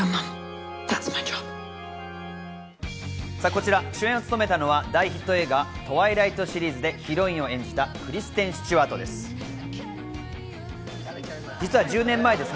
こちら主演を務めたのは大ヒット映画『トワイライト』シリーズでヒロインを演じたクリステン・スチュワートです。